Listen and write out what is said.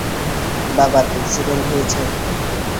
বাবার এক্সিডেন্ট হয়েছে।